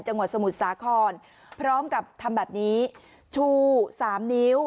จังหวัดสมุทรสาครพร้อมกับทำแบบนี้ชูสามนิ้ว